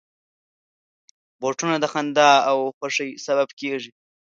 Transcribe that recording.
بوټونه د خندا او خوښۍ سبب کېږي.